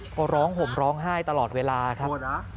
ก็ร้องห่มร้องไห้ตลอดเวลาครับ